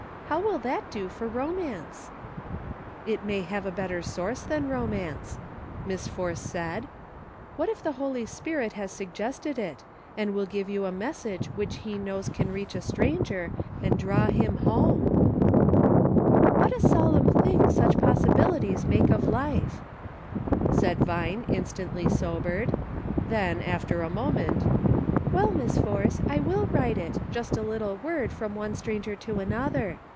How will that do for romance ?" "It may have a better source than romance," Miss Force said. "What if the Holy Spirit has suggested it, and will give you a message which he knows can reach a stranger, and draw him home ?" A "PROVIDENCE. 2/1 "What a solemn thing such possibilities make of life," said Vine, instantly sobered ; then, after a moment, "well. Miss Force, I will write it, just a little word, from one stranger to another.